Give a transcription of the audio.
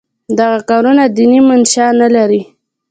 دغه کارونه دیني منشأ نه لري.